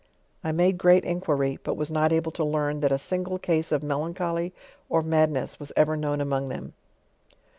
I made great inquiry, but was not able to learn, that a single case of melancholy or madness was ever known among them.